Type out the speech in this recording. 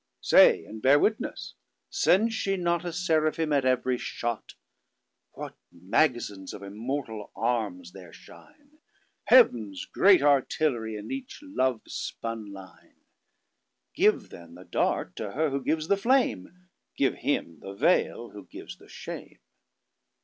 Say and bear wittnes. Sends she notA Seraphim at every shott? What magazins of immortall Armes there shine! Heavn's great artillery in each love spun line. Give then the dart to her who gives the flame; Give him the veil, who gives the shame.